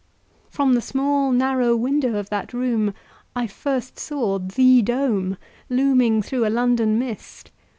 From the small, narrow window of that room, I first saw THE dome, looming through a London mist.